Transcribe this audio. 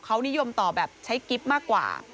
เขานิยมต่อแบบใช้กิ๊บมากกว่า